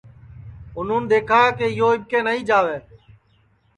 اُنون دیکھا کہ یو اِٻکے نائی جاوے